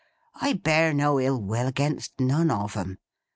I bear no ill will against none of 'em.